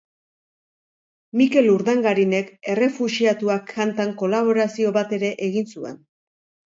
Mikel Urdangarinek Errefuxiatuak kantan kolaborazio bat ere egin zuen.